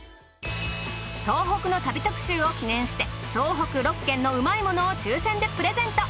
東北の旅特集を記念して東北６県のうまいものを抽選でプレゼント！